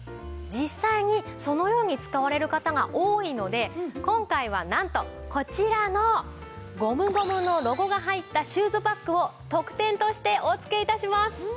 実際にそのように使われる方が多いので今回はなんとこちらのゴムゴムのロゴが入ったシューズバッグを特典としてお付け致します。